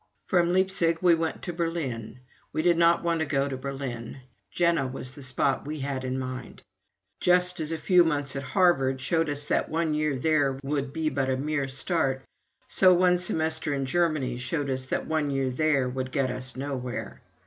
From Leipzig we went to Berlin. We did not want to go to Berlin Jena was the spot we had in mind. Just as a few months at Harvard showed us that one year there would be but a mere start, so one semester in Germany showed us that one year there would get us nowhere.